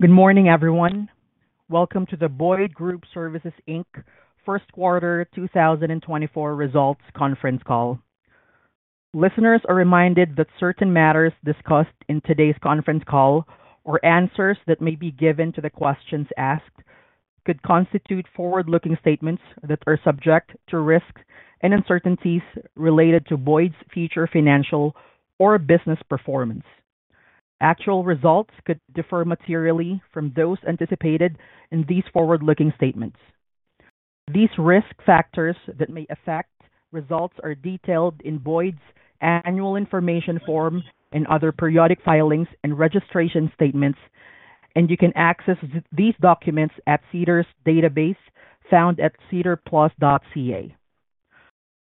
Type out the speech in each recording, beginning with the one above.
Good morning, everyone. Welcome to the Boyd Group Services Inc. First Quarter 2024 Results Conference Call. Listeners are reminded that certain matters discussed in today's conference call or answers that may be given to the questions asked, could constitute forward-looking statements that are subject to risks and uncertainties related to Boyd's future financial or business performance. Actual results could differ materially from those anticipated in these forward-looking statements. These risk factors that may affect results are detailed in Boyd's annual information forms and other periodic filings and registration statements, and you can access these documents at SEDAR+'s database found at sedarplus.ca.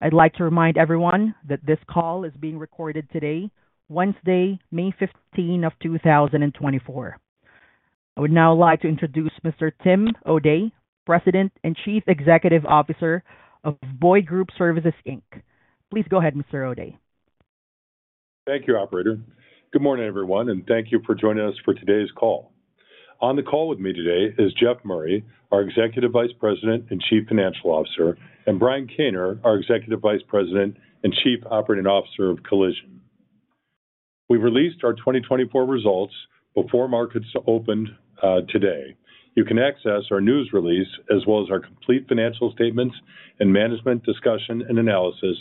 I'd like to remind everyone that this call is being recorded today, Wednesday, May 15, 2024. I would now like to introduce Mr. Tim O'Day, President and Chief Executive Officer of Boyd Group Services Inc. Please go ahead, Mr. O'Day. Thank you, operator. Good morning, everyone, and thank you for joining us for today's call. On the call with me today is Jeff Murray, our Executive Vice President and Chief Financial Officer, and Brian Kaner, our Executive Vice President and Chief Operating Officer of Collision. We released our 2024 results before markets opened today. You can access our news release as well as our complete financial statements and management discussion and analysis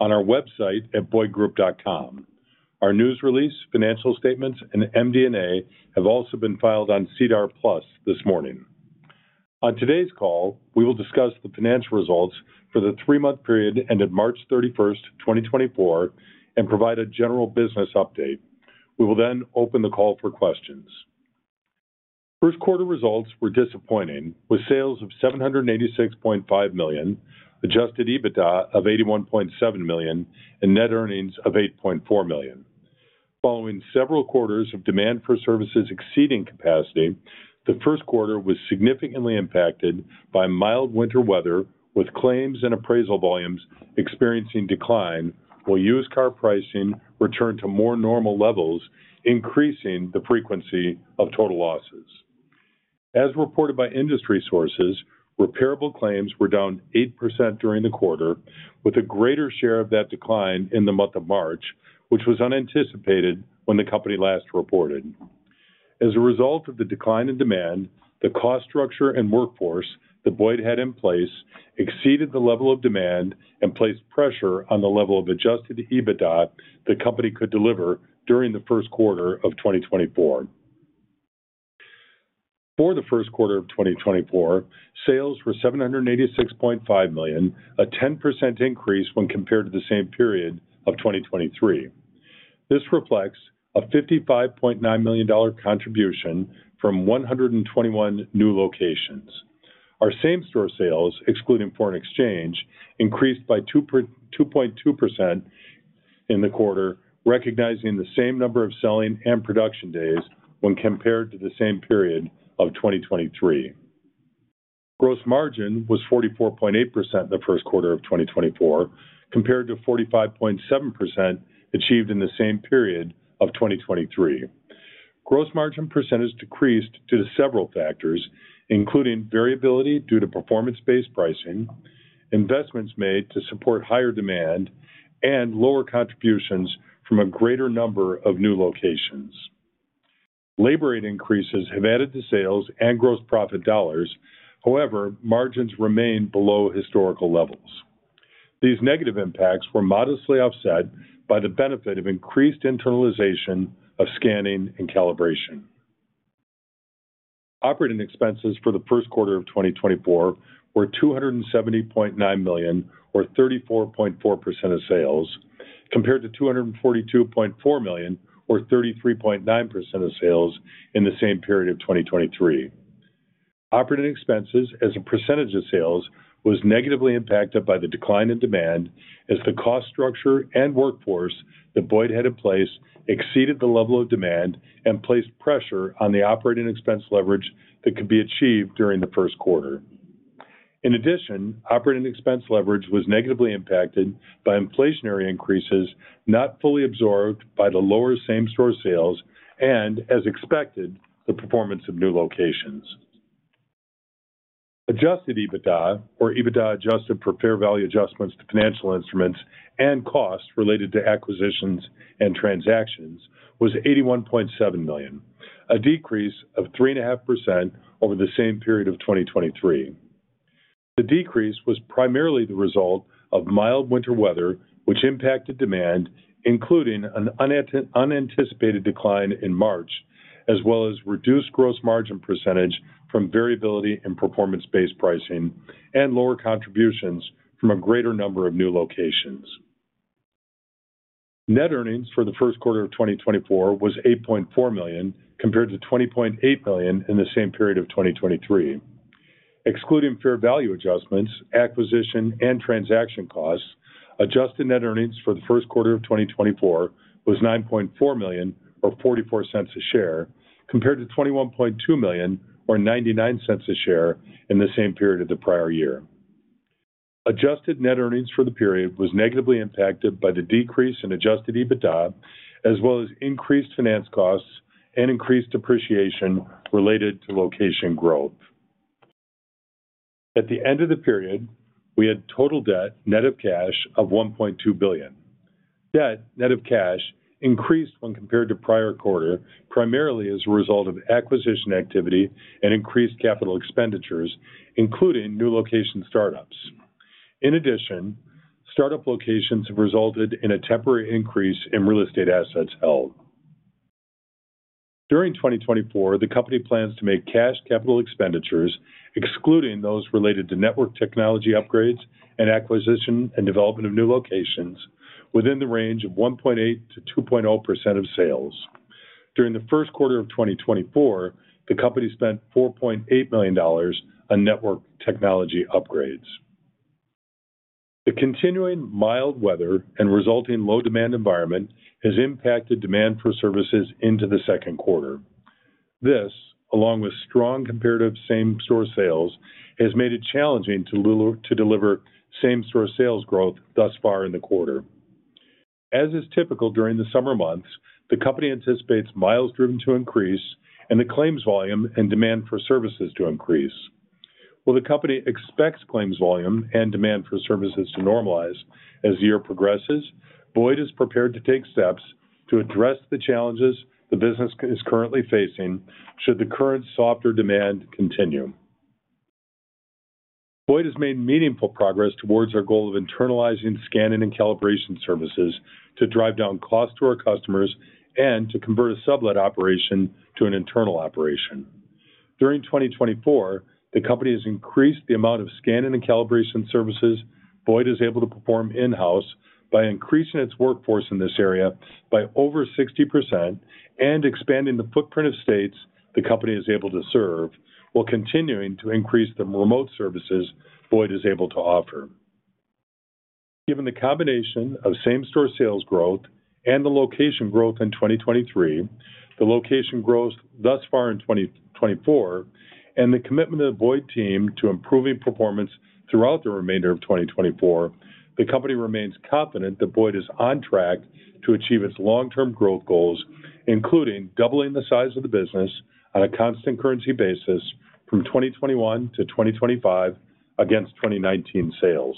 on our website at boydgroup.com. Our news release, financial statements, and MD&A have also been filed on SEDAR+ this morning. On today's call, we will discuss the financial results for the three-month period ended March 31, 2024, and provide a general business update. We will then open the call for questions. First quarter results were disappointing, with sales of 786.5 million, adjusted EBITDA of 81.7 million, and net earnings of 8.4 million. Following several quarters of demand for services exceeding capacity, the first quarter was significantly impacted by mild winter weather, with claims and appraisal volumes experiencing decline, while used car pricing returned to more normal levels, increasing the frequency of total losses. As reported by industry sources, repairable claims were down 8% during the quarter, with a greater share of that decline in the month of March, which was unanticipated when the company last reported. As a result of the decline in demand, the cost structure and workforce that Boyd had in place exceeded the level of demand and placed pressure on the level of adjusted EBITDA the company could deliver during the first quarter of 2024. For the first quarter of 2024, sales were $786.5 million, a 10% increase when compared to the same period of 2023. This reflects a $55.9 million dollar contribution from 121 new locations. Our same-store sales, excluding foreign exchange, increased by 2.2% in the quarter, recognizing the same number of selling and production days when compared to the same period of 2023. Gross margin was 44.8% in the first quarter of 2024, compared to 45.7% achieved in the same period of 2023. Gross margin percentage decreased due to several factors, including variability due to performance-based pricing, investments made to support higher demand, and lower contributions from a greater number of new locations. Labor rate increases have added to sales and gross profit dollars. However, margins remain below historical levels. These negative impacts were modestly offset by the benefit of increased internalization of scanning and calibration. Operating expenses for the first quarter of 2024 were $270.9 million, or 34.4% of sales, compared to $242.4 million, or 33.9% of sales in the same period of 2023. Operating expenses as a percentage of sales was negatively impacted by the decline in demand as the cost structure and workforce that Boyd had in place exceeded the level of demand and placed pressure on the operating expense leverage that could be achieved during the first quarter. In addition, operating expense leverage was negatively impacted by inflationary increases not fully absorbed by the lower same-store sales and, as expected, the performance of new locations. Adjusted EBITDA or EBITDA adjusted for fair value adjustments to financial instruments and costs related to acquisitions and transactions was $81.7 million, a decrease of 3.5% over the same period of 2023. The decrease was primarily the result of mild winter weather, which impacted demand, including an unanticipated decline in March, as well as reduced gross margin percentage from variability in performance-based pricing and lower contributions from a greater number of new locations. Net earnings for the first quarter of 2024 was $8.4 million, compared to $20.8 million in the same period of 2023. Excluding fair value adjustments, acquisition, and transaction costs, adjusted net earnings for the first quarter of 2024 was $9.4 million or $0.44 a share, compared to $21.2 million or $0.99 a share in the same period of the prior year. Adjusted net earnings for the period was negatively impacted by the decrease in Adjusted EBITDA, as well as increased finance costs and increased depreciation related to location growth. At the end of the period, we had total debt net of cash of $1.2 billion. Debt net of cash increased when compared to prior quarter, primarily as a result of acquisition activity and increased capital expenditures, including new location startups. In addition, startup locations have resulted in a temporary increase in real estate assets held. During 2024, the company plans to make cash capital expenditures, excluding those related to network technology upgrades and acquisition and development of new locations, within the range of 1.8%-2.0% of sales. During the first quarter of 2024, the company spent 4.8 million dollars on network technology upgrades. The continuing mild weather and resulting low demand environment has impacted demand for services into the second quarter. This, along with strong comparative same-store sales, has made it challenging to deliver same-store sales growth thus far in the quarter. As is typical during the summer months, the company anticipates miles driven to increase and the claims volume and demand for services to increase. While the company expects claims volume and demand for services to normalize as the year progresses, Boyd is prepared to take steps to address the challenges the business is currently facing should the current softer demand continue. Boyd has made meaningful progress towards our goal of internalizing scanning and calibration services to drive down costs to our customers and to convert a sublet operation to an internal operation. During 2024, the company has increased the amount of scanning and calibration services Boyd is able to perform in-house by increasing its workforce in this area by over 60% and expanding the footprint of states the company is able to serve, while continuing to increase the remote services Boyd is able to offer. Given the combination of same-store sales growth and the location growth in 2023, the location growth thus far in 2024, and the commitment of the Boyd team to improving performance throughout the remainder of 2024, the company remains confident that Boyd is on track to achieve its long-term growth goals, including doubling the size of the business on a constant currency basis from 2021 to 2025 against 2019 sales.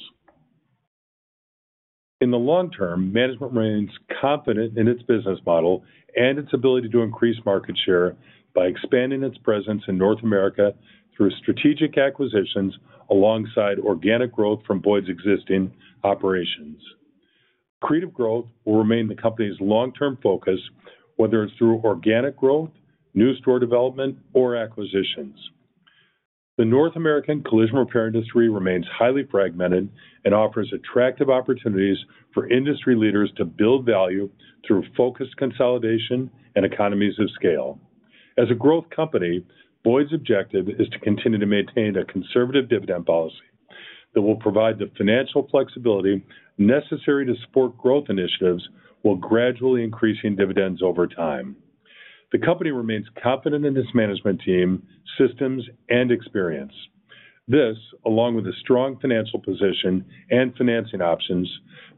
In the long term, management remains confident in its business model and its ability to increase market share by expanding its presence in North America through strategic acquisitions alongside organic growth from Boyd's existing operations. Accretive growth will remain the company's long-term focus, whether it's through organic growth, new store development, or acquisitions. The North American collision repair industry remains highly fragmented and offers attractive opportunities for industry leaders to build value through focused consolidation and economies of scale. As a growth company, Boyd's objective is to continue to maintain a conservative dividend policy that will provide the financial flexibility necessary to support growth initiatives, while gradually increasing dividends over time. The company remains confident in its management team, systems, and experience. This, along with a strong financial position and financing options,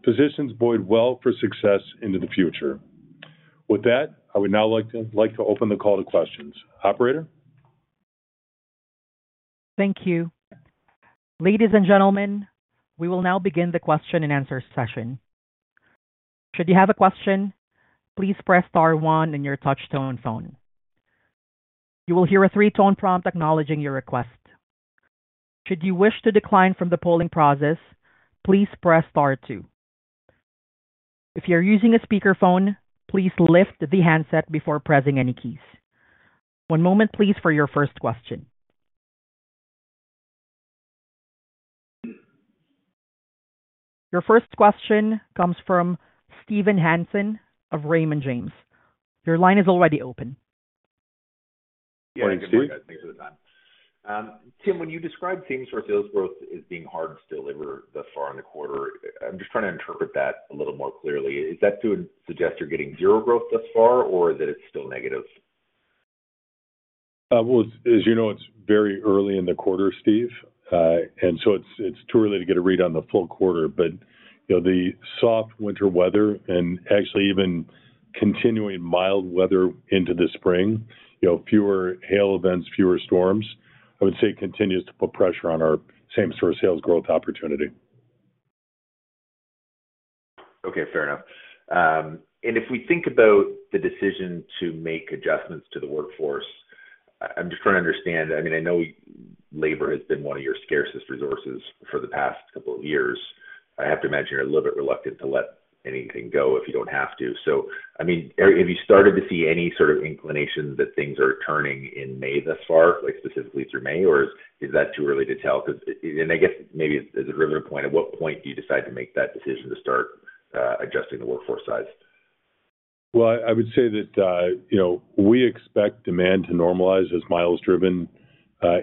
positions Boyd well for success into the future. With that, I would now like to open the call to questions. Operator? Thank you. Ladies and gentlemen, we will now begin the question-and-answer session. Should you have a question, please press star one on your touchtone phone. You will hear a three-tone prompt acknowledging your request. Should you wish to decline from the polling process, please press star two. If you're using a speakerphone, please lift the handset before pressing any keys. One moment, please, for your first question. Your first question comes from Steven Hansen of Raymond James. Your line is already open. Yeah, good morning, guys. Thanks for the time. Tim, when you describe same-store sales growth as being hard to deliver thus far in the quarter, I'm just trying to interpret that a little more clearly. Is that to suggest you're getting zero growth thus far, or that it's still negative? Well, as you know, it's very early in the quarter, Steve. And so it's too early to get a read on the full quarter. But, you know, the soft winter weather and actually even continuing mild weather into the spring, you know, fewer hail events, fewer storms, I would say continues to put pressure on our same-store sales growth opportunity. Okay, fair enough. And if we think about the decision to make adjustments to the workforce, I'm just trying to understand. I mean, I know labor has been one of your scarcest resources for the past couple of years. I have to imagine you're a little bit reluctant to let anything go if you don't have to. So, I mean, have you started to see any sort of inclinations that things are turning in May thus far, like specifically through May? Or is that too early to tell? Because, and I guess maybe as a related point, at what point do you decide to make that decision to start adjusting the workforce size? Well, I would say that, you know, we expect demand to normalize as miles driven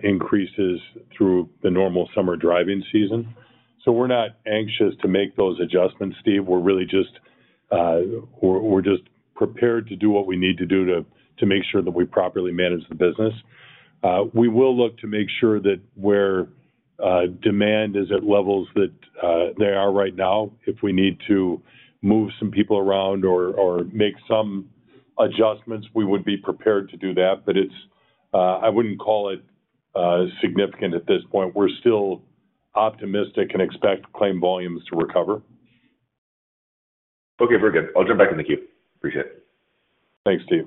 increases through the normal summer driving season. So we're not anxious to make those adjustments, Steve. We're really just prepared to do what we need to do to make sure that we properly manage the business. We will look to make sure that where demand is at levels that they are right now, if we need to move some people around or make some adjustments, we would be prepared to do that. But it's. I wouldn't call it significant at this point. We're still optimistic and expect claim volumes to recover. Okay, very good. I'll jump back in the queue. Appreciate it. Thanks, Steve.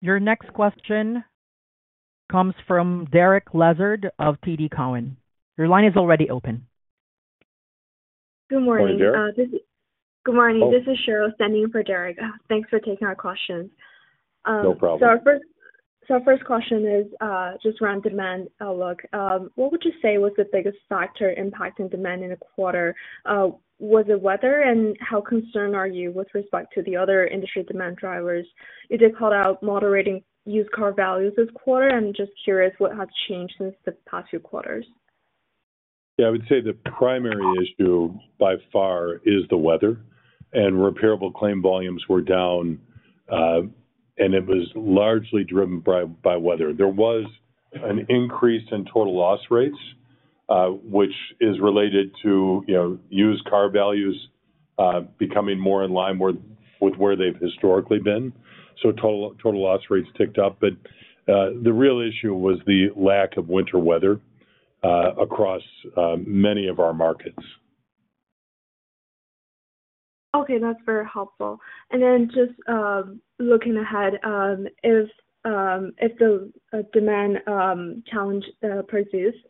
Your next question comes from Derek Lessard of TD Cowen. Your line is already open. Good morning. Morning, Derek. Good morning. Oh. This is Cheryl standing in for Derek. Thanks for taking our questions. No problem. Our first question is just around demand outlook. What would you say was the biggest factor impacting demand in the quarter? Was it weather, and how concerned are you with respect to the other industry demand drivers? You just called out moderating used car values this quarter. I'm just curious, what has changed since the past two quarters? Yeah, I would say the primary issue by far is the weather, and repairable claim volumes were down, and it was largely driven by weather. There was an increase in total loss rates, which is related to, you know, used car values becoming more in line with where they've historically been. So total loss rates ticked up. But the real issue was the lack of winter weather across many of our markets. Okay, that's very helpful. And then just looking ahead, if the demand challenge persists,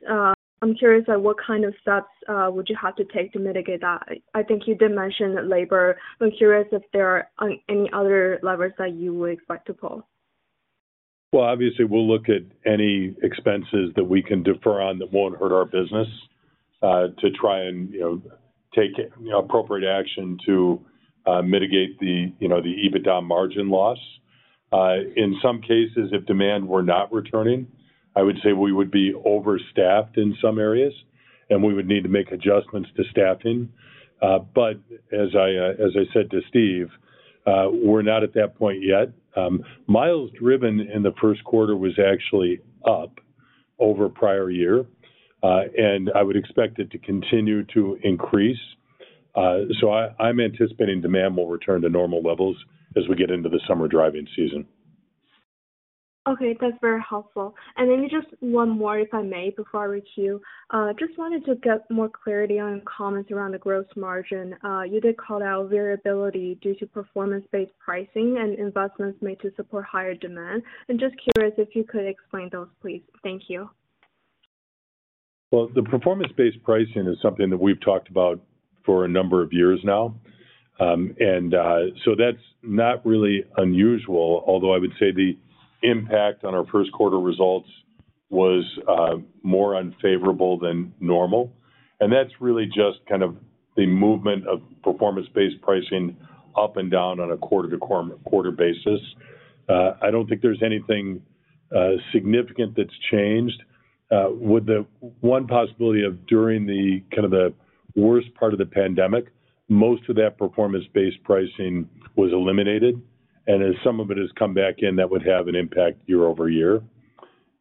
I'm curious about what kind of steps would you have to take to mitigate that? I think you did mention labor. I'm curious if there are any other levers that you would expect to pull. Well, obviously, we'll look at any expenses that we can defer on that won't hurt our business, to try and, you know, take, you know, appropriate action to mitigate the, you know, the EBITDA margin loss. In some cases, if demand were not returning, I would say we would be overstaffed in some areas, and we would need to make adjustments to staffing. But as I, as I said to Steve, we're not at that point yet. Miles driven in the first quarter was actually up over prior year, and I would expect it to continue to increase. So I, I'm anticipating demand will return to normal levels as we get into the summer driving season. Okay, that's very helpful. And then just one more, if I may, before I reach you. Just wanted to get more clarity on comments around the gross margin. You did call out variability due to performance-based pricing and investments made to support higher demand. I'm just curious if you could explain those, please. Thank you. Well, the performance-based pricing is something that we've talked about for a number of years now. And so that's not really unusual, although I would say the impact on our first quarter results was more unfavorable than normal. And that's really just kind of the movement of performance-based pricing up and down on a quarter-to-quarter basis. I don't think there's anything significant that's changed. With the one possibility of during the kind of the worst part of the pandemic, most of that performance-based pricing was eliminated, and as some of it has come back in, that would have an impact year-over-year.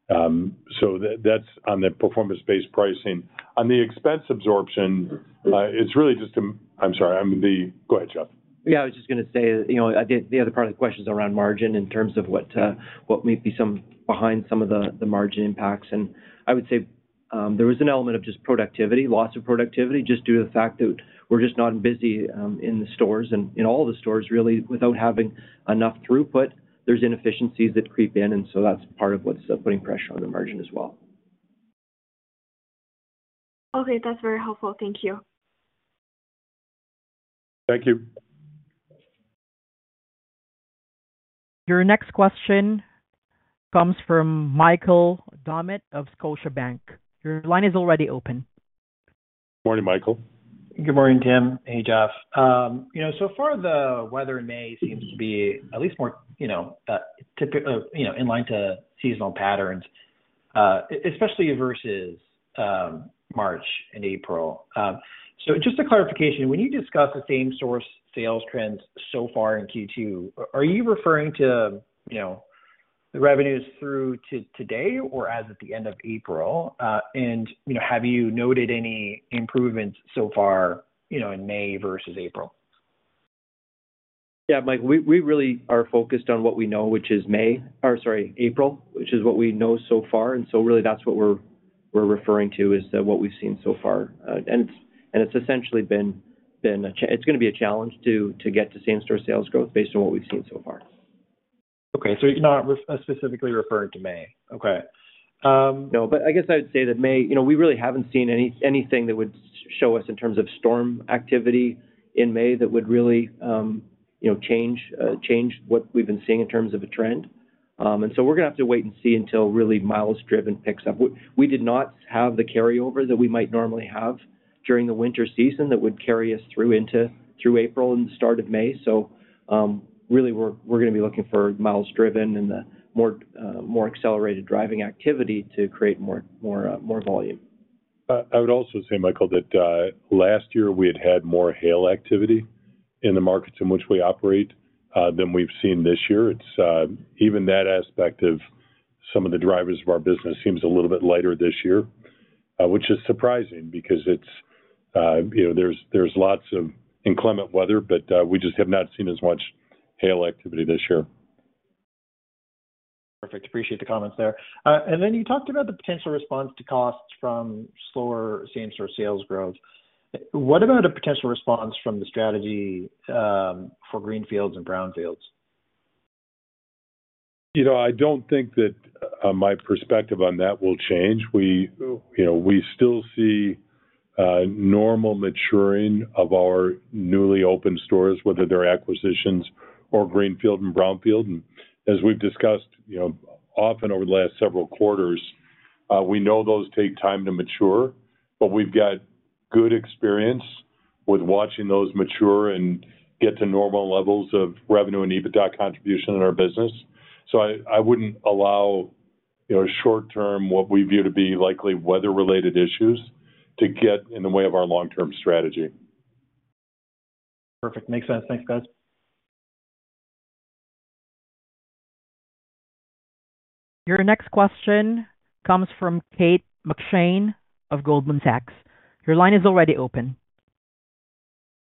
So that's on the performance-based pricing. On the expense absorption, it's really just a... I'm sorry, I'm the -- Go ahead, Jeff. Yeah, I was just gonna say, you know, the other part of the question is around margin in terms of what may be some behind some of the margin impacts. And I would say, there was an element of just productivity, loss of productivity, just due to the fact that we're just not busy in the stores and in all the stores really, without having enough throughput. There's inefficiencies that creep in, and so that's part of what's putting pressure on the margin as well. Okay, that's very helpful. Thank you. Thank you. Your next question comes from Michael Doumet of Scotiabank. Your line is already open. Morning, Michael. Good morning, Tim. Hey, Jeff. You know, so far, the weather in May seems to be at least more, you know, in line to seasonal patterns, especially versus, March and April. So just a clarification, when you discuss the same-store sales trends so far in Q2, are you referring to, you know, the revenues through to today or as at the end of April? And, you know, have you noted any improvements so far, you know, in May versus April? Yeah, Mike, we really are focused on what we know, which is May, or sorry, April, which is what we know so far. And so really that's what we're referring to, is what we've seen so far. And it's essentially been a challenge to get to same store sales growth based on what we've seen so far. Okay, so you're not specifically referring to May. Okay. No, but I guess I'd say that May, you know, we really haven't seen anything that would show us in terms of storm activity in May that would really, you know, change what we've been seeing in terms of a trend. And so we're gonna have to wait and see until really miles driven picks up. We did not have the carryover that we might normally have during the winter season that would carry us through into April and the start of May. Really, we're gonna be looking for miles driven and the more accelerated driving activity to create more volume. I would also say, Michael, that last year we had had more hail activity in the markets in which we operate than we've seen this year. It's even that aspect of some of the drivers of our business seems a little bit lighter this year, which is surprising because it's, you know, there's lots of inclement weather, but we just have not seen as much hail activity this year. Perfect. Appreciate the comments there. And then you talked about the potential response to costs from slower same-store sales growth. What about a potential response from the strategy for greenfields and brownfields? You know, I don't think that, my perspective on that will change. We, you know, we still see, normal maturing of our newly opened stores, whether they're acquisitions or greenfield and brownfield. And as we've discussed, you know, often over the last several quarters, we know those take time to mature. But we've got good experience with watching those mature and get to normal levels of revenue and EBITDA contribution in our business. So I, I wouldn't allow, you know, short term, what we view to be likely weather-related issues, to get in the way of our long-term strategy. Perfect. Makes sense. Thanks, guys. Your next question comes from Kate McShane of Goldman Sachs. Your line is already open.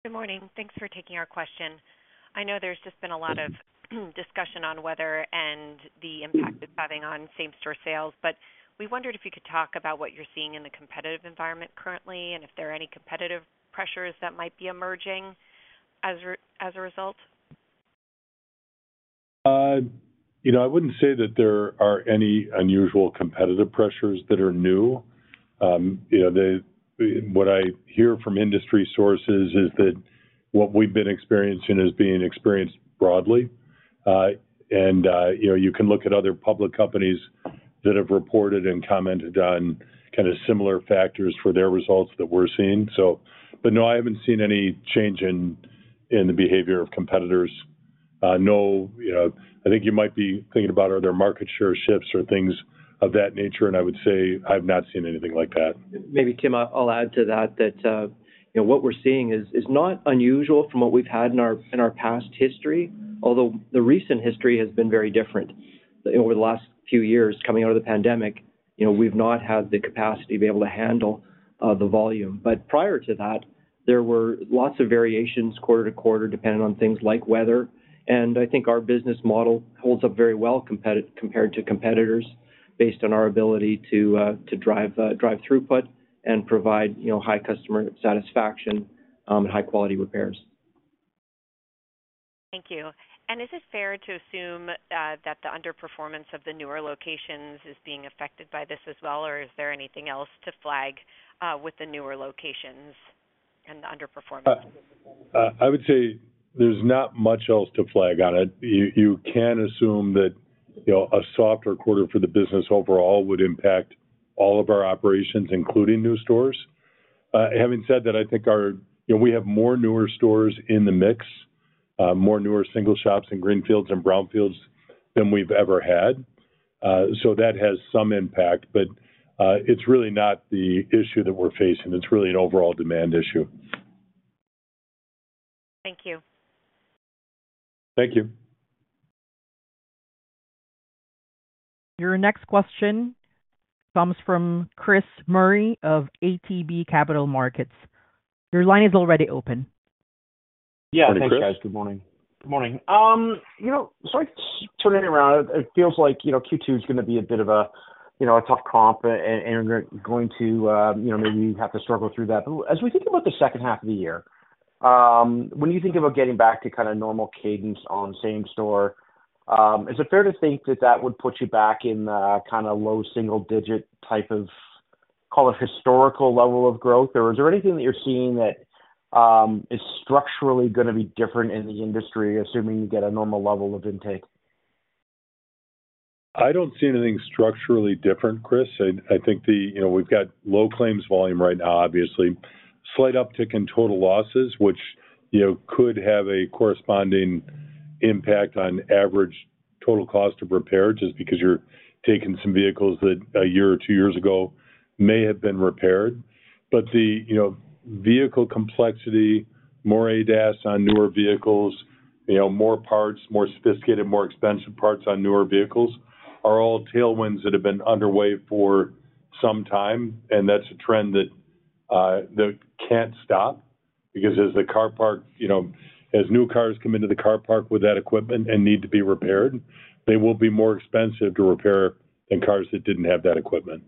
Good morning. Thanks for taking our question. I know there's just been a lot of discussion on weather and the impact it's having on same-store sales, but we wondered if you could talk about what you're seeing in the competitive environment currently, and if there are any competitive pressures that might be emerging as a result? You know, I wouldn't say that there are any unusual competitive pressures that are new. You know, they. What I hear from industry sources is that what we've been experiencing is being experienced broadly. And you know, you can look at other public companies that have reported and commented on kind of similar factors for their results that we're seeing, so. But no, I haven't seen any change in the behavior of competitors. No, you know, I think you might be thinking about, are there market share shifts or things of that nature, and I would say I've not seen anything like that. Maybe, Tim, I'll add to that, you know, what we're seeing is not unusual from what we've had in our past history, although the recent history has been very different. Over the last few years, coming out of the pandemic, you know, we've not had the capacity to be able to handle the volume. But prior to that, there were lots of variations quarter to quarter, depending on things like weather. And I think our business model holds up very well compared to competitors, based on our ability to drive throughput and provide, you know, high customer satisfaction and high-quality repairs. Thank you. And is it fair to assume that the underperformance of the newer locations is being affected by this as well, or is there anything else to flag with the newer locations and the underperformance? I would say there's not much else to flag on it. You can assume that, you know, a softer quarter for the business overall would impact all of our operations, including new stores. Having said that, I think our... You know, we have more newer stores in the mix, more newer single shops in greenfields and brownfields than we've ever had. So that has some impact, but, it's really not the issue that we're facing. It's really an overall demand issue. Thank you. Thank you. Your next question comes from Chris Murray of ATB Capital Markets. Your line is already open. Yeah, thanks, guys. Good morning. Good morning. You know, so turning it around, it feels like, you know, Q2 is gonna be a bit of a, you know, a tough comp, and you're going to, you know, maybe have to struggle through that. But as we think about the second half of the year, when you think about getting back to kind of normal cadence on same store, is it fair to think that that would put you back in the kind of low double digit type of, call it, historical level of growth? Or is there anything that you're seeing that is structurally gonna be different in the industry, assuming you get a normal level of intake? I don't see anything structurally different, Chris. I think the, you know, we've got low claims volume right now, obviously. Slight uptick in total losses, which, you know, could have a corresponding impact on average total cost of repair, just because you're taking some vehicles that a year or two years ago may have been repaired. But the, you know, vehicle complexity, more ADAS on newer vehicles, you know, more parts, more sophisticated, more expensive parts on newer vehicles, are all tailwinds that have been underway for some time, and that's a trend that, that can't stop, because as the car park. You know, as new cars come into the car park with that equipment and need to be repaired, they will be more expensive to repair than cars that didn't have that equipment.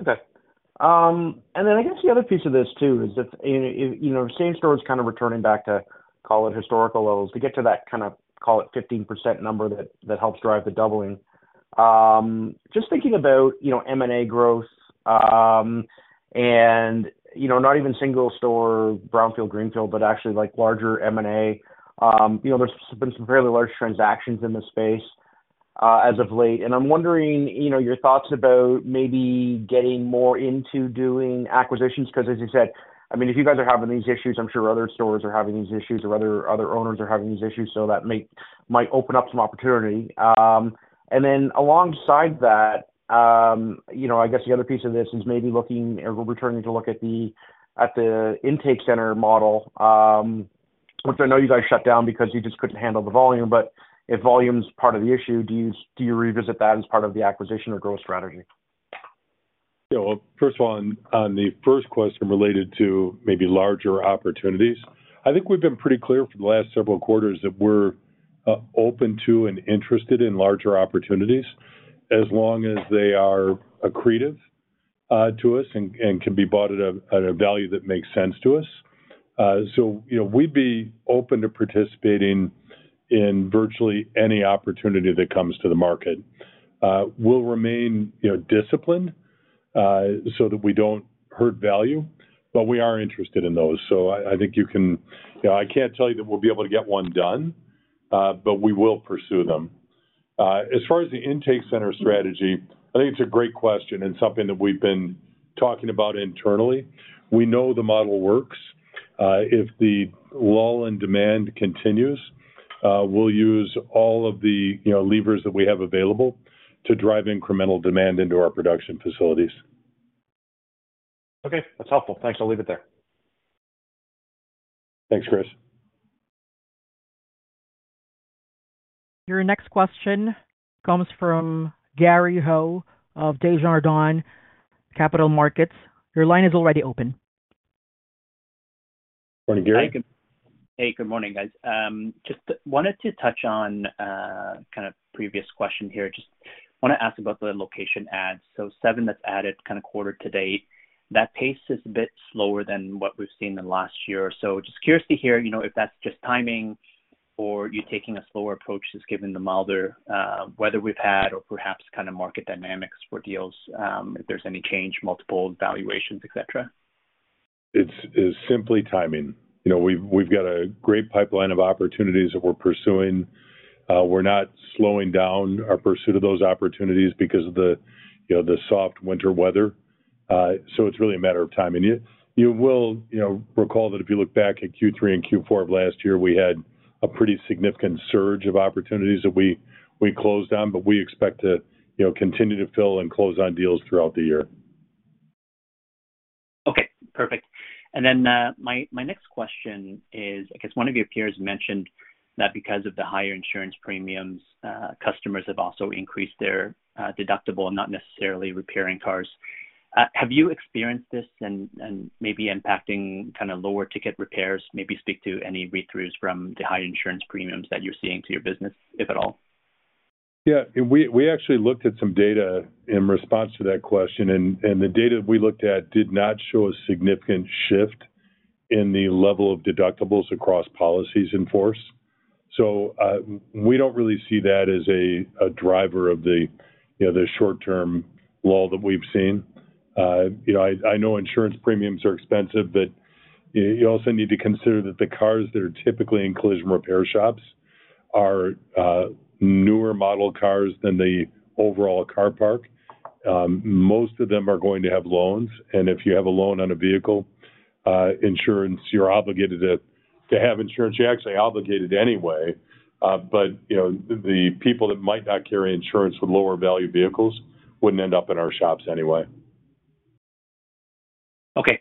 Okay. And then I guess the other piece of this, too, is that, you know, same store is kind of returning back to, call it, historical levels. To get to that kind of, call it, 15% number, that helps drive the doubling. Just thinking about, you know, M&A growth, and, you know, not even single store, brownfield, greenfield, but actually, like, larger M&A. You know, there's been some fairly large transactions in this space as of late, and I'm wondering, you know, your thoughts about maybe getting more into doing acquisitions. Because as you said, I mean, if you guys are having these issues, I'm sure other stores are having these issues or other owners are having these issues, so that might open up some opportunity. And then alongside that, you know, I guess the other piece of this is maybe looking or returning to look at the, at the intake center model, which I know you guys shut down because you just couldn't handle the volume, but if volume's part of the issue, do you revisit that as part of the acquisition or growth strategy? Yeah. Well, first of all, on the first question related to maybe larger opportunities, I think we've been pretty clear for the last several quarters that we're open to and interested in larger opportunities, as long as they are accretive to us and can be bought at a value that makes sense to us. So, you know, we'd be open to participating in virtually any opportunity that comes to the market. We'll remain, you know, disciplined, so that we don't hurt value, but we are interested in those. So I think you can... You know, I can't tell you that we'll be able to get one done, but we will pursue them. As far as the intake center strategy, I think it's a great question and something that we've been talking about internally. We know the model works. If the lull in demand continues, we'll use all of the, you know, levers that we have available to drive incremental demand into our production facilities. Okay, that's helpful. Thanks. I'll leave it there. Thanks, Chris. Your next question comes from Gary Ho of Desjardins Capital Markets. Your line is already open. Morning, Gary. Hey, good morning, guys. Just wanted to touch on kind of previous question here. Just wanna ask about the location adds. So, 7 that's added kind of quarter to date. That pace is a bit slower than what we've seen in the last year or so. Just curious to hear, you know, if that's just timing or you taking a slower approach, just given the milder weather we've had or perhaps kind of market dynamics for deals, if there's any change, multiples, valuations, et cetera. It's simply timing. You know, we've got a great pipeline of opportunities that we're pursuing. We're not slowing down our pursuit of those opportunities because of the, you know, the soft winter weather. So it's really a matter of timing. You will, you know, recall that if you look back at Q3 and Q4 of last year, we had a pretty significant surge of opportunities that we closed on, but we expect to, you know, continue to fill and close on deals throughout the year. Okay, perfect. And then, my next question is, I guess one of your peers mentioned that because of the higher insurance premiums, customers have also increased their deductible and not necessarily repairing cars. Have you experienced this and maybe impacting kind of lower ticket repairs? Maybe speak to any read-throughs from the high insurance premiums that you're seeing to your business, if at all. Yeah, and we actually looked at some data in response to that question, and the data we looked at did not show a significant shift in the level of deductibles across policies in force. So, we don't really see that as a driver of the, you know, the short-term lull that we've seen. You know, I know insurance premiums are expensive, but you also need to consider that the cars that are typically in collision repair shops are newer model cars than the overall car park. Most of them are going to have loans, and if you have a loan on a vehicle, insurance, you're obligated to have insurance. You're actually obligated anyway, but you know, the people that might not carry insurance with lower value vehicles wouldn't end up in our shops anyway. Okay,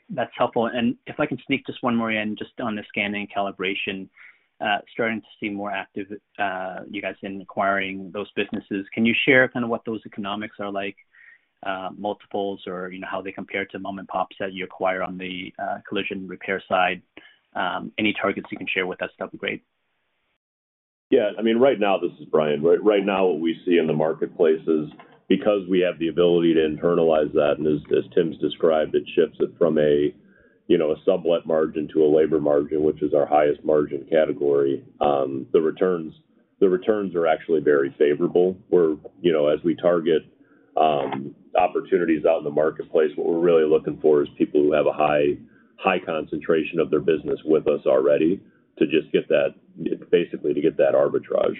that's helpful. If I can sneak just one more in, just on the scanning calibration, starting to see more active, you guys in acquiring those businesses. Can you share kind of what those economics are like, multiples or, you know, how they compare to mom-and-pops that you acquire on the, collision repair side? Any targets you can share with us that'd be great. Yeah. I mean, right now... This is Brian. Right, right now, what we see in the marketplace is because we have the ability to internalize that, and as, as Tim's described, it shifts it from a, you know, a sublet margin to a labor margin, which is our highest margin category, the returns, the returns are actually very favorable. We're, you know, as we target opportunities out in the marketplace, what we're really looking for is people who have a high, high concentration of their business with us already, to just get that-- basically, to get that arbitrage.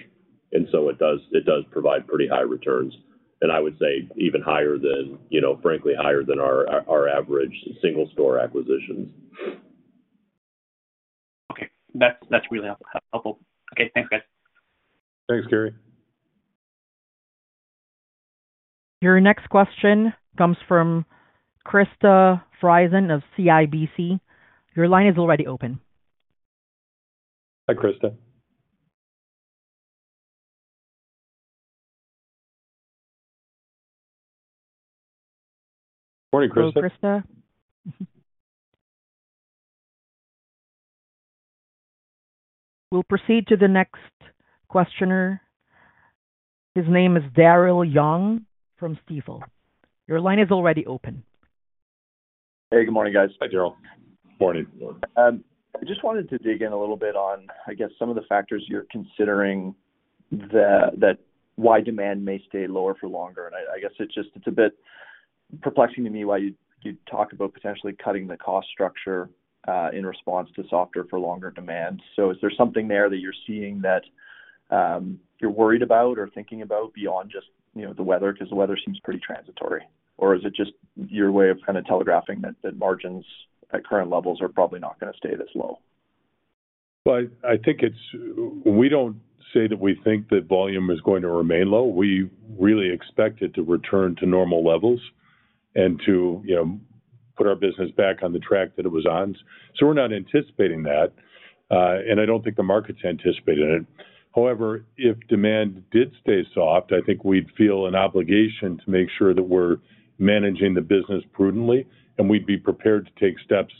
And so it does, it does provide pretty high returns, and I would say even higher than, you know, frankly, higher than our, our average single store acquisitions. Okay. That's really helpful. Okay, thanks, guys. Thanks, Gary. Your next question comes from Krista Friesen of CIBC. Your line is already open. Hi, Krista. Morning, Krista. Go, Krista. We'll proceed to the next questioner. His name is Daryl Young from Stifel. Your line is already open. Hey, good morning, guys. Hi, Darryl. Morning. I just wanted to dig in a little bit on, I guess, some of the factors you're considering that why demand may stay lower for longer. And I guess it's just, it's a bit. Perplexing to me why you talked about potentially cutting the cost structure in response to softer for longer demand. So is there something there that you're seeing that you're worried about or thinking about beyond just, you know, the weather? Because the weather seems pretty transitory. Or is it just your way of kind of telegraphing that margins at current levels are probably not gonna stay this low? Well, I think it's, we don't say that we think that volume is going to remain low. We really expect it to return to normal levels and to, you know, put our business back on the track that it was on. So we're not anticipating that, and I don't think the market's anticipating it. However, if demand did stay soft, I think we'd feel an obligation to make sure that we're managing the business prudently, and we'd be prepared to take steps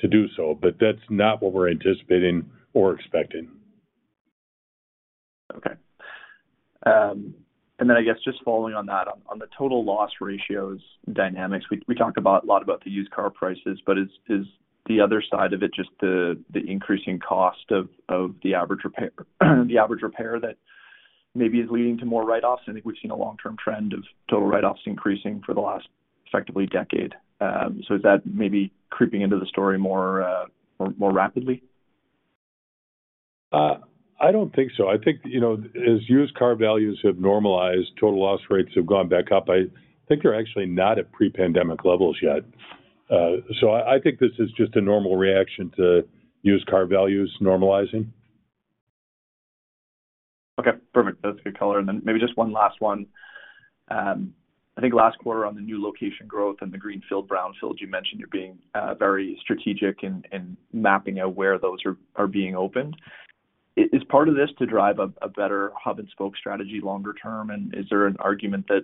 to do so. But that's not what we're anticipating or expecting. Okay. And then I guess just following on that, on the total loss ratios dynamics, we talked a lot about the used car prices, but is the other side of it just the increasing cost of the average repair that maybe is leading to more write-offs? I think we've seen a long-term trend of total write-offs increasing for the last, effectively, decade. So is that maybe creeping into the story more rapidly? I don't think so. I think, you know, as used car values have normalized, total loss rates have gone back up. I think they're actually not at pre-pandemic levels yet. So I think this is just a normal reaction to used car values normalizing. Okay, perfect. That's a good color. And then maybe just one last one. I think last quarter, on the new location growth and the greenfield, brownfield, you mentioned you're being very strategic in mapping out where those are being opened. Is part of this to drive a better hub and spoke strategy longer term, and is there an argument that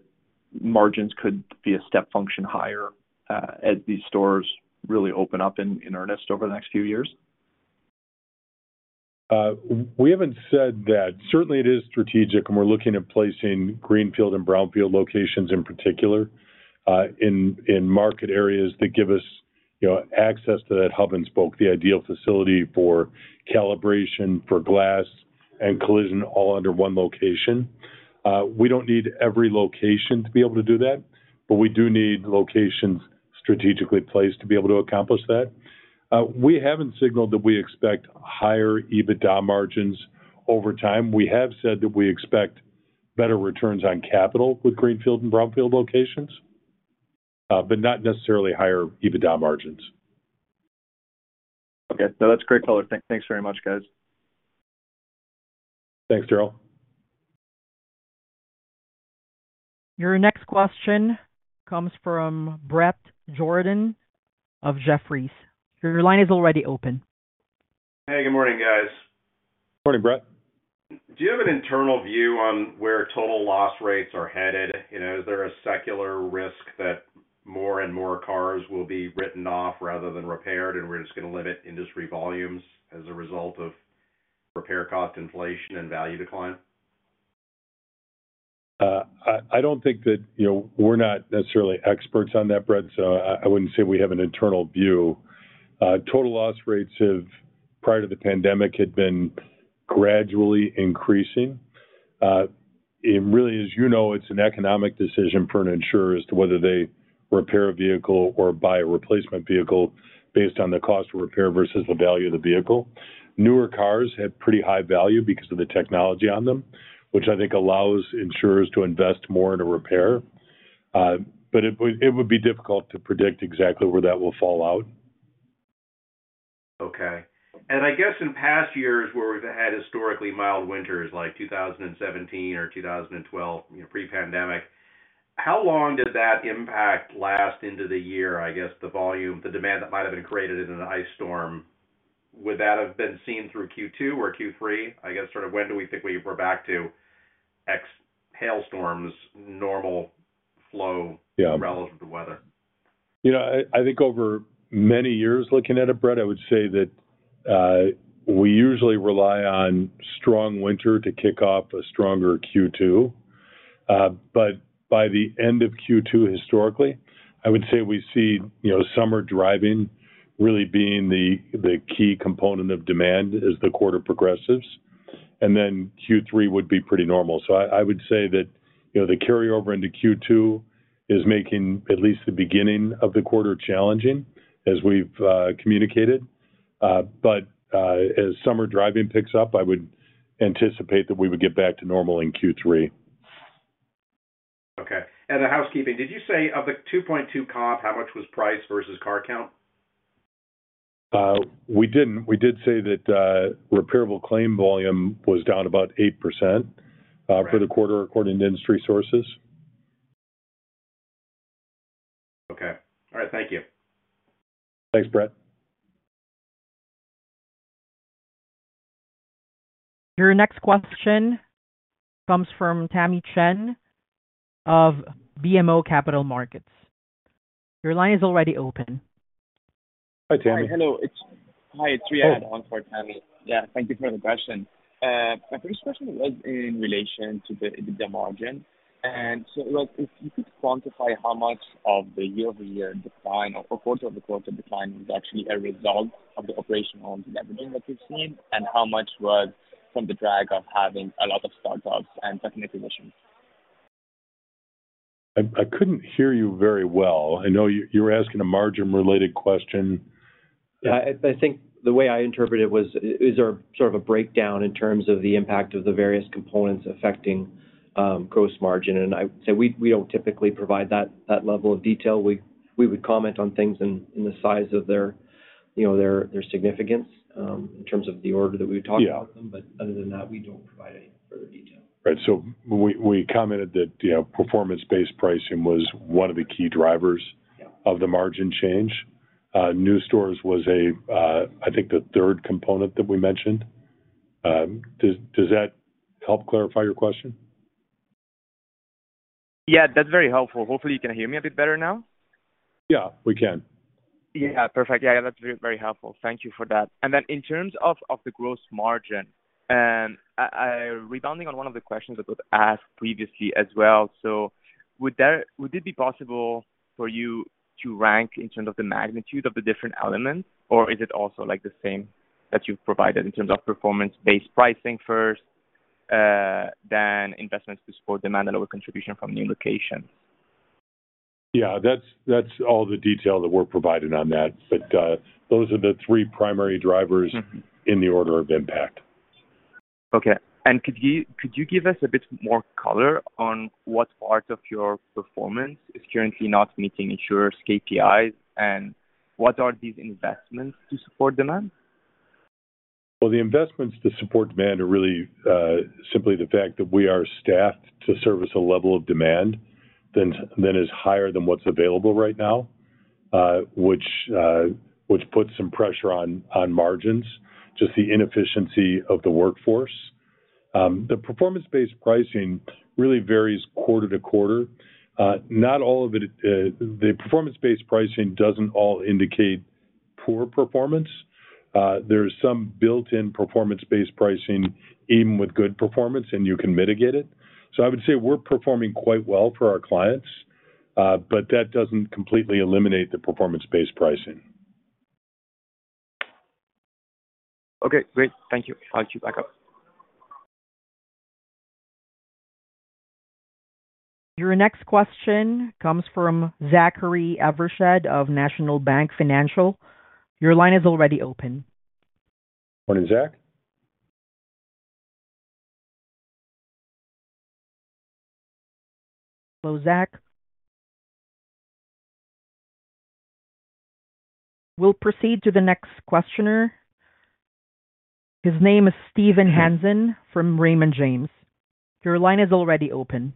margins could be a step function higher as these stores really open up in earnest over the next few years? We haven't said that. Certainly, it is strategic, and we're looking at placing greenfield and brownfield locations, in particular, in market areas that give us, you know, access to that hub and spoke, the ideal facility for calibration, for glass and collision, all under one location. We don't need every location to be able to do that, but we do need locations strategically placed to be able to accomplish that. We haven't signaled that we expect higher EBITDA margins over time. We have said that we expect better returns on capital with greenfield and brownfield locations, but not necessarily higher EBITDA margins. Okay. No, that's great color. Thank, thanks very much, guys. Thanks, Darryl. Your next question comes from Brett Jordan of Jefferies. Your line is already open. Hey, good morning, guys. Morning, Brett. Do you have an internal view on where total loss rates are headed? You know, is there a secular risk that more and more cars will be written off rather than repaired, and we're just going to limit industry volumes as a result of repair cost inflation and value decline? I don't think that... You know, we're not necessarily experts on that, Brett, so I wouldn't say we have an internal view. Total loss rates have, prior to the pandemic, had been gradually increasing. It really, as you know, it's an economic decision for an insurer as to whether they repair a vehicle or buy a replacement vehicle based on the cost of repair versus the value of the vehicle. Newer cars have pretty high value because of the technology on them, which I think allows insurers to invest more in a repair. But it would be difficult to predict exactly where that will fall out. Okay. I guess in past years, where we've had historically mild winters, like 2017 or 2012, you know, pre-pandemic, how long did that impact last into the year? I guess, the volume, the demand that might have been created in an ice storm, would that have been seen through Q2 or Q3? I guess, sort of, when do we think we're back to ex hailstorms normal flow. Yeah. Relative to weather? You know, I think over many years looking at it, Brett, I would say that we usually rely on strong winter to kick off a stronger Q2. But by the end of Q2, historically, I would say we see, you know, summer driving really being the key component of demand as the quarter progresses, and then Q3 would be pretty normal. So I would say that, you know, the carryover into Q2 is making at least the beginning of the quarter challenging, as we've communicated. But as summer driving picks up, I would anticipate that we would get back to normal in Q3. Okay. And the housekeeping, did you say of the 2.2 comp, how much was price versus car count? We didn't. We did say that, repairable claim volume was down about 8%. Right. For the quarter, according to industry sources. Okay. All right. Thank you. Thanks, Brett. Your next question comes from Tamy Chen of BMO Capital Markets. Your line is already open. Hi, Tammy. Hi. Hello. Hi, it's [inaudible] for Tammy. Yeah, thank you for the question. My first question was in relation to the margin. So, like, if you could quantify how much of the year-over-year decline or quarter-over-quarter decline was actually a result of the operational leveraging that you've seen, and how much was from the drag of having a lot of startups and technical issues? I couldn't hear you very well. I know you were asking a margin-related question. Yeah, I think the way I interpreted it was, is there sort of a breakdown in terms of the impact of the various components affecting gross margin? I would say we don't typically provide that level of detail. We would comment on things in the size of their, you know, their significance in terms of the order that we would talk about them. Yeah. But other than that, we don't provide any further detail. Right. So we commented that, you know, performance-based pricing was one of the key drivers. Yeah. Of the margin change. New stores was a, I think the third component that we mentioned. Does that help clarify your question? Yeah, that's very helpful. Hopefully, you can hear me a bit better now. Yeah, we can. Yeah, perfect. Yeah, that's very, very helpful. Thank you for that. And then in terms of the gross margin, and rebounding on one of the questions that was asked previously as well, so would it be possible for you to rank in terms of the magnitude of the different elements? Or is it also like the same that you've provided in terms of performance-based pricing first, then investments to support demand and lower contribution from new locations? Yeah, that's, that's all the detail that we're providing on that. But, those are the three primary drivers. Mm-hmm. In the order of impact. Okay. Could you give us a bit more color on what part of your performance is currently not meeting insurers' KPIs, and what are these investments to support demand? Well, the investments to support demand are really simply the fact that we are staffed to service a level of demand that is higher than what's available right now, which puts some pressure on margins, just the inefficiency of the workforce. The performance-based pricing really varies quarter to quarter. Not all of it... The performance-based pricing doesn't all indicate poor performance. There's some built-in performance-based pricing even with good performance, and you can mitigate it. So I would say we're performing quite well for our clients, but that doesn't completely eliminate the performance-based pricing. Okay, great. Thank you. I'll queue back up. Your next question comes from Zachary Evershed of National Bank Financial. Your line is already open. Morning, Zach. Hello, Zach? We'll proceed to the next questioner. His name is Steven Hansen from Raymond James. Your line is already open.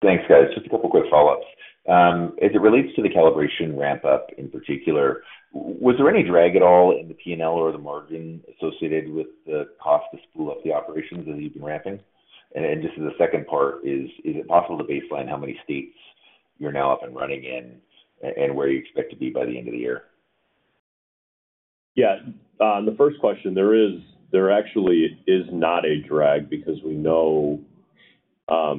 Thanks, guys. Just a couple quick follow-ups. As it relates to the calibration ramp-up in particular, was there any drag at all in the P&L or the margin associated with the cost to spool up the operations as you've been ramping? And just as a second part, is it possible to baseline how many states you're now up and running in, and where you expect to be by the end of the year? Yeah. On the first question, there is, there actually is not a drag because we know,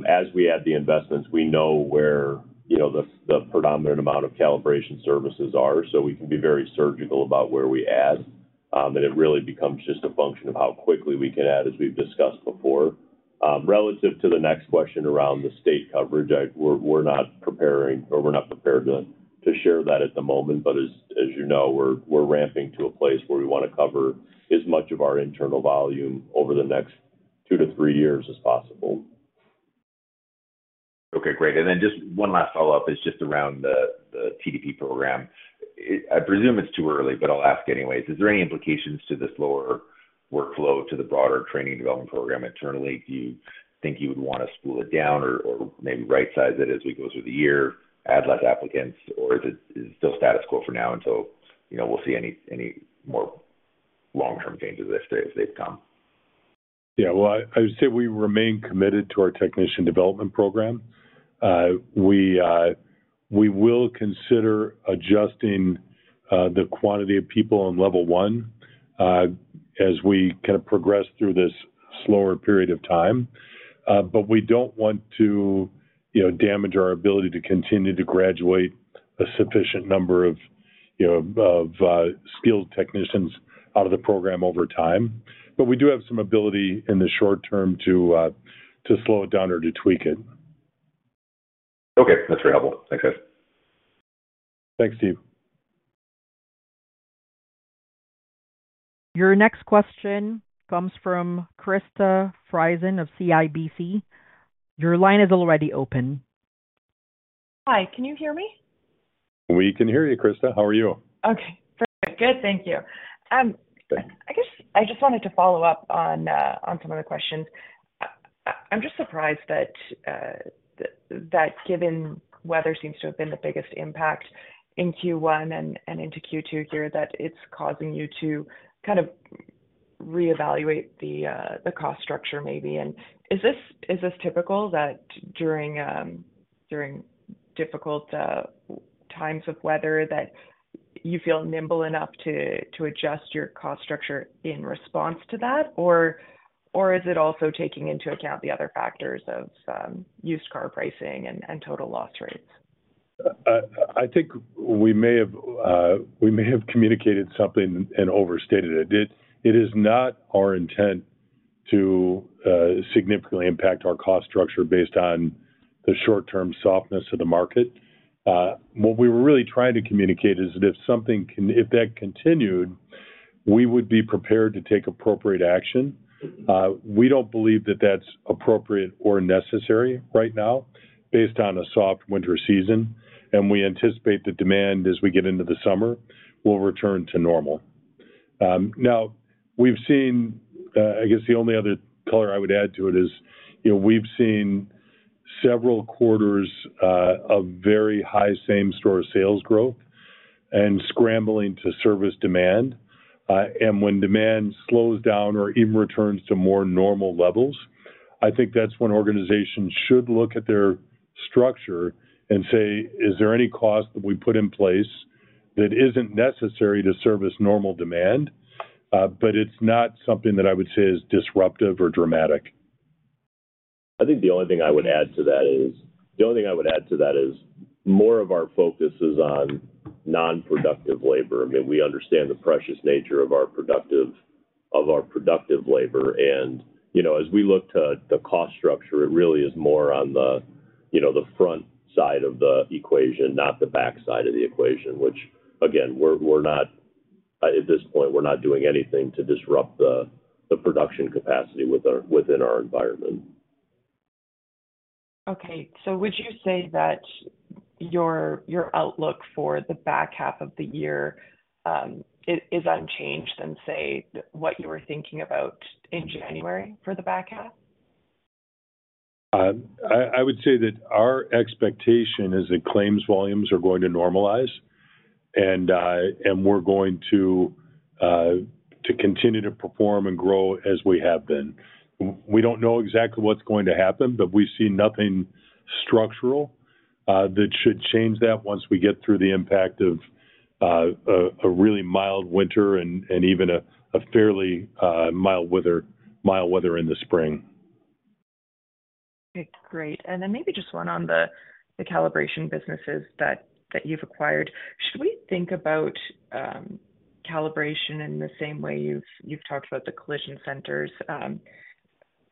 as we add the investments, we know where, you know, the predominant amount of calibration services are, so we can be very surgical about where we add. And it really becomes just a function of how quickly we can add, as we've discussed before. Relative to the next question around the state coverage, I -- we're, we're not preparing or we're not prepared to share that at the moment, but as, as you know, we're, we're ramping to a place where we wanna cover as much of our internal volume over the next two to three years as possible. Okay, great. And then just one last follow-up is just around the TDP program. It. I presume it's too early, but I'll ask anyways: Is there any implications to this lower workflow to the broader training development program internally? Do you think you would want to spool it down or maybe rightsize it as we go through the year, add less applicants, or is it still status quo for now until, you know, we'll see any more long-term changes if they come? Yeah. Well, I would say we remain committed to our technician development program. We will consider adjusting the quantity of people on level one as we kind of progress through this slower period of time. But we don't want to, you know, damage our ability to continue to graduate a sufficient number of, you know, skilled technicians out of the program over time. But we do have some ability in the short term to slow it down or to tweak it. Okay. That's very helpful. Thanks, guys. Thanks, Steve. Your next question comes from Krista Friesen of CIBC. Your line is already open. Hi, can you hear me? We can hear you, Krista. How are you? Okay, very good. Thank you. Thanks. I guess I just wanted to follow up on some of the questions. I'm just surprised that given weather seems to have been the biggest impact in Q1 and into Q2 here, that it's causing you to kind of reevaluate the cost structure maybe. And is this typical that during difficult times of weather that you feel nimble enough to adjust your cost structure in response to that? Or is it also taking into account the other factors of used car pricing and total loss rates? I think we may have, we may have communicated something and overstated it. It is not our intent to significantly impact our cost structure based on the short-term softness of the market. What we were really trying to communicate is that if that continued, we would be prepared to take appropriate action. We don't believe that that's appropriate or necessary right now based on a soft winter season, and we anticipate the demand as we get into the summer will return to normal. Now we've seen, I guess the only other color I would add to it is, you know, we've seen several quarters of very high same-store sales growth and scrambling to service demand. When demand slows down or even returns to more normal levels, I think that's when organizations should look at their structure and say: Is there any cost that we put in place that isn't necessary to service normal demand? But it's not something that I would say is disruptive or dramatic. I think the only thing I would add to that is, the only thing I would add to that is more of our focus is on non-productive labor. I mean, we understand the precious nature of our productive, of our productive labor. And, you know, as we look to the cost structure, it really is more on the, you know, the front side of the equation, not the back side of the equation, which again, we're, we're not, at this point, we're not doing anything to disrupt the, the production capacity within our environment. Okay. So would you say that your outlook for the back half of the year, it is unchanged than, say, what you were thinking about in January for the back half? I would say that our expectation is that claims volumes are going to normalize, and we're going to continue to perform and grow as we have been. We don't know exactly what's going to happen, but we see nothing structural that should change that once we get through the impact of a really mild winter and even a fairly mild weather in the spring. Okay, great. And then maybe just one on the calibration businesses that you've acquired. Should we think about calibration in the same way you've talked about the collision centers,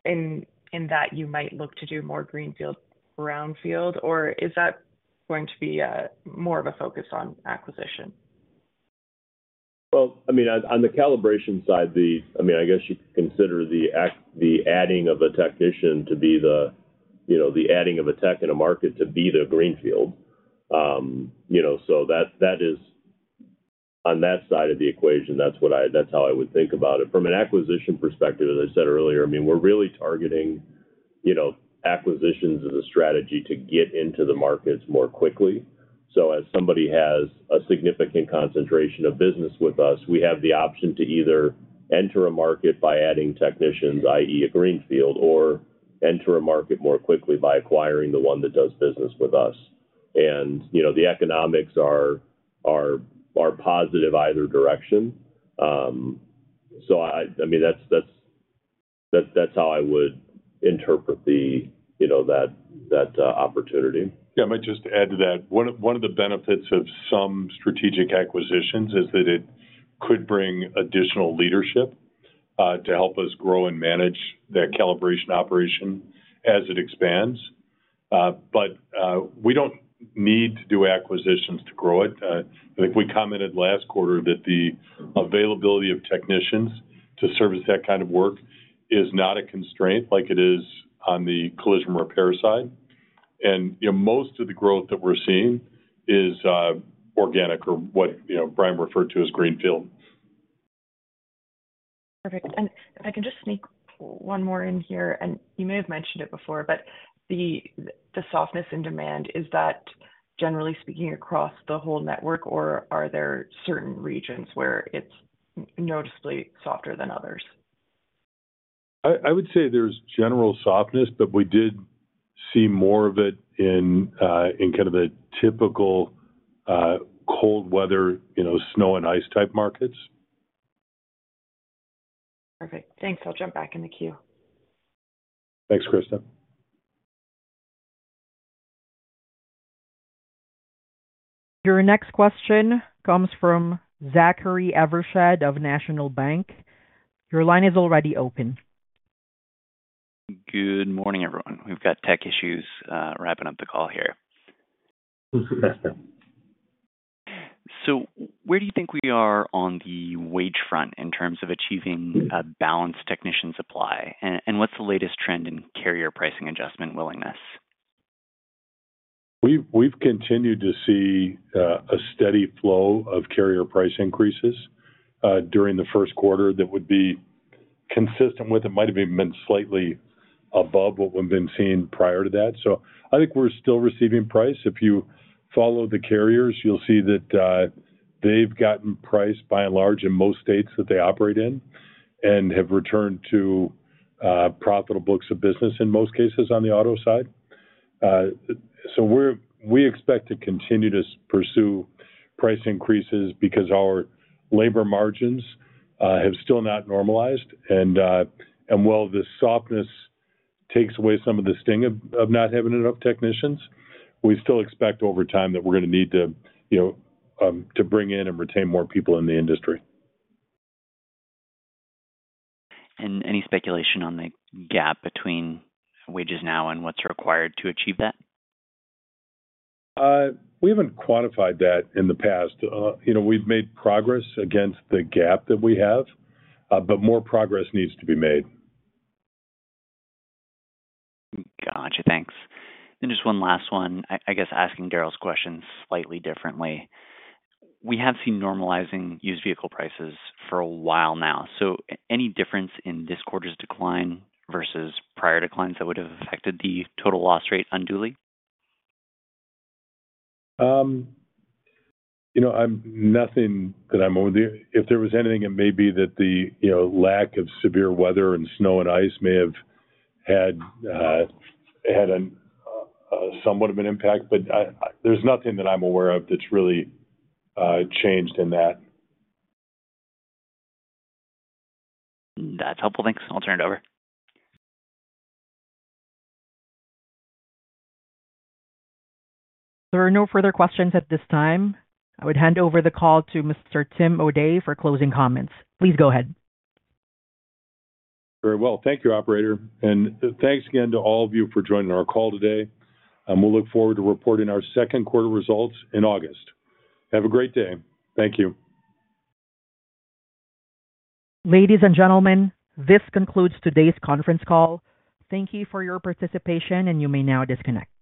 in that you might look to do more greenfield, brownfield? Or is that going to be more of a focus on acquisition? Well, I mean, on the calibration side, the -- I mean, I guess you could consider the act -- the adding of a technician to be the, you know, the adding of a tech in a market to be the greenfield. You know, so that, that is on that side of the equation, that's what I -- that's how I would think about it. From an acquisition perspective, as I said earlier, I mean, we're really targeting, you know, acquisitions as a strategy to get into the markets more quickly. So as somebody has a significant concentration of business with us, we have the option to either enter a market by adding technicians, i.e., a greenfield, or enter a market more quickly by acquiring the one that does business with us. And, you know, the economics are positive either direction. So, I mean, that's how I would interpret the, you know, that opportunity. Yeah, I might just add to that. One of the benefits of some strategic acquisitions is that it could bring additional leadership to help us grow and manage that calibration operation as it expands. But we don't need to do acquisitions to grow it. I think we commented last quarter that the availability of technicians to service that kind of work is not a constraint like it is on the collision repair side. And, you know, most of the growth that we're seeing is organic or what, you know, Brian referred to as greenfield. Perfect. If I can just sneak one more in here, and you may have mentioned it before, but the softness in demand, is that generally speaking across the whole network, or are there certain regions where it's noticeably softer than others? I would say there's general softness, but we did see more of it in kind of a typical cold weather, you know, snow and ice-type markets. Perfect. Thanks. I'll jump back in the queue. Thanks, Krista. Your next question comes from Zachary Evershed of National Bank. Your line is already open. Good morning, everyone. We've got tech issues, wrapping up the call here. Thanks for testing. So where do you think we are on the wage front in terms of achieving a balanced technician supply? And what's the latest trend in carrier pricing adjustment willingness? We've continued to see a steady flow of carrier price increases during the first quarter that wo uld be consistent with it. Might have even been slightly above what we've been seeing prior to that. So I think we're still receiving price. If you follow the carriers, you'll see that they've gotten priced, by and large, in most states that they operate in, and have returned to profitable books of business, in most cases, on the auto side. So we expect to continue to pursue price increases because our labor margins have still not normalized. And while the softness takes away some of the sting of not having enough technicians, we still expect over time that we're gonna need to, you know, to bring in and retain more people in the industry. Any speculation on the gap between wages now and what's required to achieve that? We haven't quantified that in the past. You know, we've made progress against the gap that we have, but more progress needs to be made. Gotcha. Thanks. Then just one last one. I guess, asking Daryl's question slightly differently. We have seen normalizing used vehicle prices for a while now. So any difference in this quarter's decline versus prior declines that would have affected the total loss rate unduly? You know, nothing that I'm aware of. If there was anything, it may be that the, you know, lack of severe weather and snow and ice may have had somewhat of an impact, but there's nothing that I'm aware of that's really changed in that. That's helpful. Thanks. I'll turn it over. There are no further questions at this time. I would hand over the call to Mr. Tim O'Day for closing comments. Please go ahead. Very well. Thank you, operator, and thanks again to all of you for joining our call today. We'll look forward to reporting our second quarter results in August. Have a great day. Thank you. Ladies and gentlemen, this concludes today's conference call. Thank you for your participation, and you may now disconnect.